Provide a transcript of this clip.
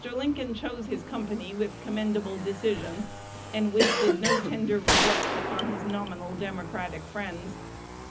Lincoln chose his company with commendable decision, and wasted no tender regrets upon his "nominal" Democratic friends.